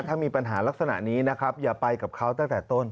ถ้ามีปัญหาลักษณะนี้นะครับอย่าไปกับเขาตั้งแต่ต้น